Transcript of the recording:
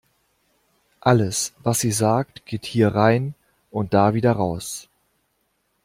Alles, was sie sagt, geht hier rein und da wieder raus.